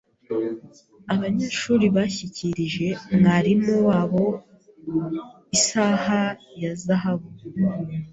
Abanyeshuri bashyikirije mwarimu wabo isaha ya zahabu.